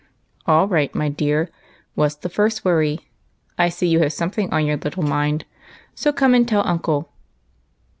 " All right, my dear ; what 's the first worry ? I see you have something on your little mind, so come and tell uncle."